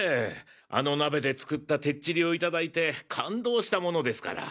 あの鍋で作ったてっちりをいただいて感動したものですから。